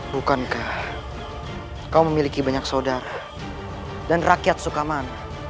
bukankah kau memiliki banyak saudara dan rakyat sukaman